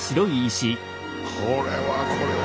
これはこれは。